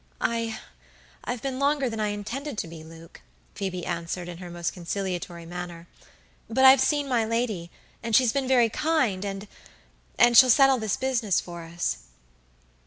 "II've been longer than I intended to be, Luke," Phoebe answered, in her most conciliatory manner; "but I've seen my lady, and she's been very kind, andand she'll settle this business for us."